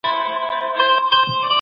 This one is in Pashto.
د قران ایتونه په زړه کي وساتئ.